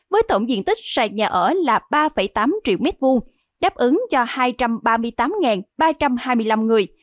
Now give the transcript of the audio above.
với tổng diện tích sạch nhà ở là ba tám triệu m hai đáp ứng cho hai trăm ba mươi tám ba trăm hai mươi năm người